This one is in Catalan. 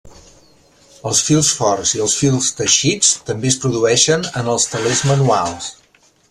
Els fils forts i els fils teixits també es produeixen en els telers manuals.